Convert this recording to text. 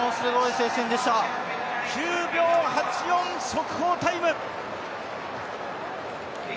９秒８４ｍ速報タイム。